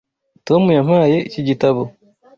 Tom yampaye iki gitabo.